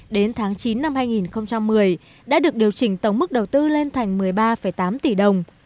đến tháng chín năm hai nghìn một mươi đã được điều chỉnh tổng mức đầu tư lên thành một mươi ba tám tỷ đồng